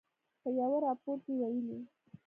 په یوه راپور کې ویلي